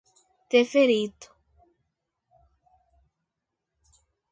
Deferido